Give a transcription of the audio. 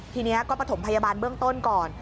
ทีนี้ก็ประถมพยาบาลเบื้องต้นก่อน